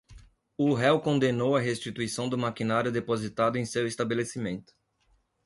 O réu condenou a restituição do maquinário depositado em seu estabelecimento.